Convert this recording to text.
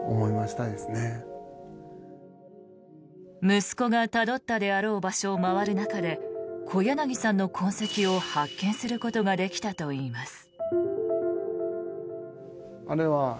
息子がたどったであろう場所を回る中で小柳さんの痕跡を発見することができたといいます。